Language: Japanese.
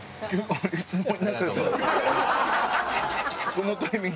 どのタイミング？